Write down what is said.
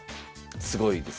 すごいです。